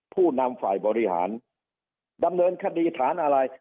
ผู้นำฝ่ายบริหารดำเนินคดีฐานอะไร